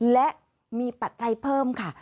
และมีปัจจัยเพิ่มค่ะ